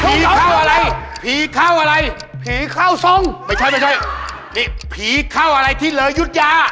เข้าอะไรผีเข้าอะไรผีเข้าทรงไม่ใช่ไม่ใช่นี่ผีเข้าอะไรที่เลยยุธยา